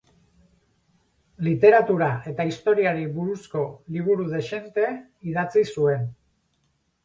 Literatura eta historiari buruzko liburu dezente idatzi zuen.